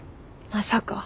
まさか。